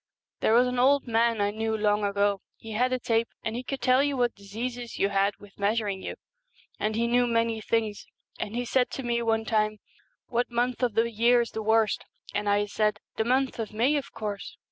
There was an old man I knew long ago, he had a tape, and he could tell what diseases you had with measuring you ; and he knew many things. And he said to me one time, " What month of the year is the worst ?" and I said, " The month of May, of course."